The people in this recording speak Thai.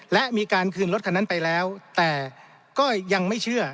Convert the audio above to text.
และมีการคืนรถคันนั้นไปแล้วแต่ก็ยังไม่เชื่อ